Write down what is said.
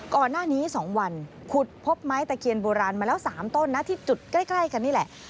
ก่อนหน้านี้๒วันขุดพบไม้ตะเคียนโบราณมาแล้ว๓ต้นนะที่จุดใกล้กันนี่แหละ